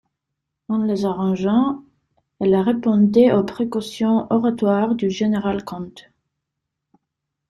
En les arrangeant, elle répondait aux précautions oratoires du général-comte.